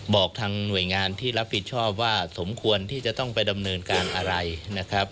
บอกทางหน่วยงานที่รับผิดชอบว่าสมควรที่จะต้องไปดำเนินการอะไรนะครับ